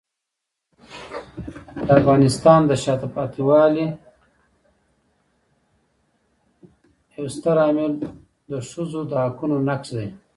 د افغانستان د شاته پاتې والي یو ستر عامل ښځو حقونو نقض دی.